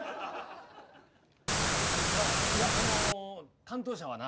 あっいやあの担当者はな